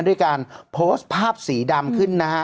ด้วยการโพสต์ภาพสีดำขึ้นนะฮะ